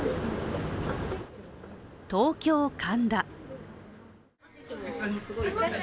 東京・神田。